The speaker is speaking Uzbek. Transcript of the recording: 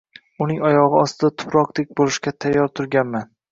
Uning oyog`i ostida tuproqdek bo`lishga tayyor turganman